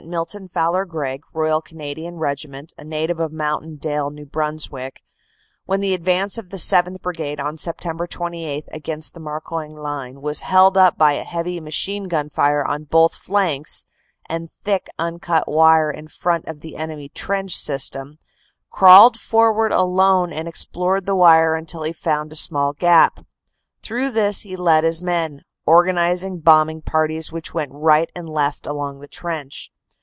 Milton Fowler Gregg, Royal Canadian Regiment, a native of Mountain Dale, N.B., when the advance of the 7th. Brigade on Sept. 28 against the Marcoing line was held up by heavy machine gun fire on both flanks and thick uncut wire in front of the enemy trench system, crawled forward alone and explored the wire until he found a small gap. Through this he led his men, organizing bombing parties, which went right and left along the trench.